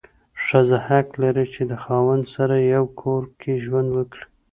ښځه حق لري چې د خاوند سره یو کور کې ژوند وکړي.